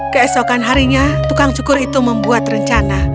keesokan harinya tukang cukur itu membuat rencana